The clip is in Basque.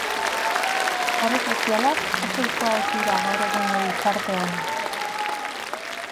Sare sozialak oso ohikoak dira gaur egungo gizartean.